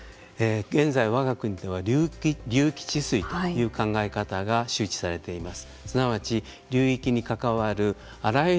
現在わが国では流域治水という考え方が周知されています。